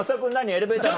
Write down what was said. エレベーター。